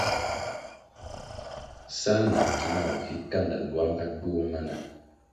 Sā na ki nah vi kanda lwanga duo mana.